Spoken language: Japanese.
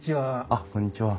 あっこんにちは。